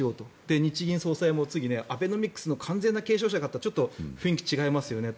日銀総裁も次、アベノミクスの完全な継承者かといったら雰囲気違いますよねと。